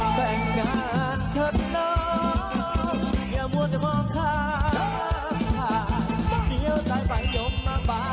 สวัสดีครับ